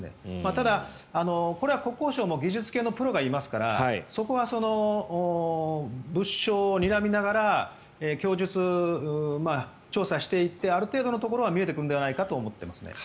ただ、これは国交省も技術系のプロがいますからそこは物証をにらみながら供述を調査していってある程度のところは見えてくると思います。